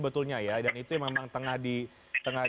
betulnya ya dan itu memang tengah